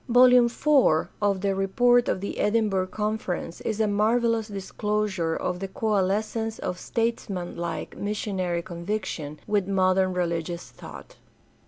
Vol. IV of the Report of the Edinburgh Conference is a marvelous disclosure of the coalescence of statesmanlike missionary conviction with modern religious thought.